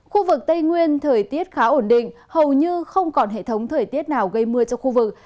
khu vực tây nguyên thời tiết khá ổn định hầu như không còn hệ thống thời tiết nào gây mưa cho khu vực